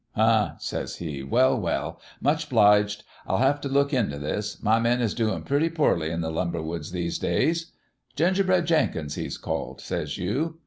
"'" Huh!" says he. "Well, well! Much 'bliged. I'll have t' look into this. My men is doin' poorly in the lumber woods these times." "'" Gingerbread Jenkins he's called," says you.